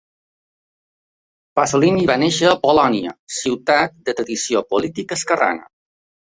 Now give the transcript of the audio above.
Pasolini va néixer a Bolonya, ciutat de tradició política esquerrana.